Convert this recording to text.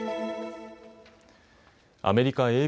アメリカ